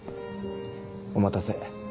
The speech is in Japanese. お待たせ。